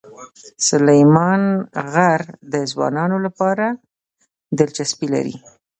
سلیمان غر د ځوانانو لپاره دلچسپي لري.